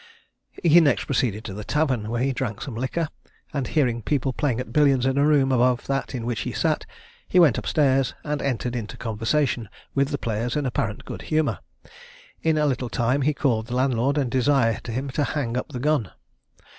He next proceeded to the tavern, where he drank some liquor; and hearing people playing at billiards in a room above that in which he sat, he went up stairs, and entered into conversation with the players in apparent good humour. In a little time he called the landlord, and desired him to hang up the gun.